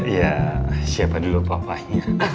ya siapa dulu papanya